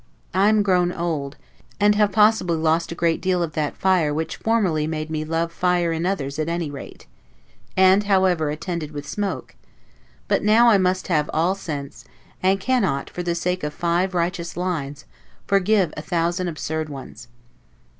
I am grown old, and have possibly lost a great deal of that fire which formerly made me love fire in others at any rate, and however attended with smoke; but now I must have all sense, and cannot, for the sake of five righteous lines, forgive a thousand absurd ones.